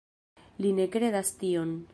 Li ne kredas tion.